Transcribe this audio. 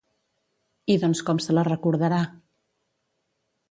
I doncs com se la recordarà?